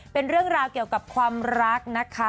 เป็นเรื่องราวเกี่ยวกับความรักนะคะ